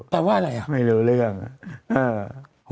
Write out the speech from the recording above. แต่ว่าอะไรเหรอไม่รู้เรื่องฮึ